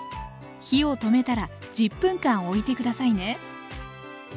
火を止めたら１０分間おいて下さいね。